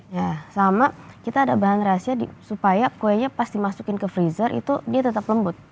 ya sama kita ada bahan rahasia supaya kuenya pas dimasukin ke freezer itu dia tetap lembut